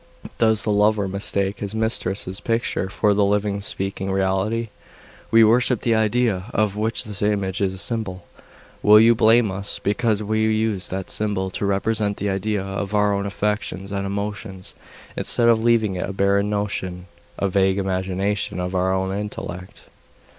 Does the lover mistake his mistress's picture for the living, speaking reality? We worship the idea of which the image is a symbol. Will you blame us because we use that symbol to represent the idea to our own affections and emotions instead of leaving it a barren notion, a vague imagination of our own intellect?